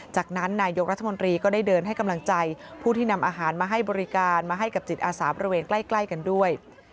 จากนั้นนายกรัฐมนตรีก็ได้เดินให้กำลังใจผู้ที่นำอาหารมาให้บริการมาให้กับจิตอาสาบริเวณใกล้กันด้วย